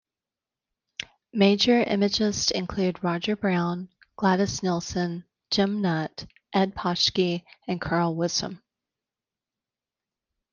Major imagists include Roger Brown, Gladys Nilsson, Jim Nutt, Ed Paschke, and Karl Wirsum.